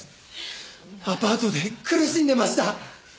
アパートで苦しんでました。